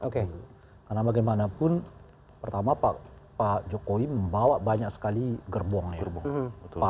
karena bagaimanapun pertama pak jokowi membawa banyak sekali gerbong ya